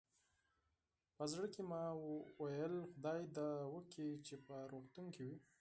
په زړه کې مې ویل، خدای دې وکړي چې په روغتون کې وي.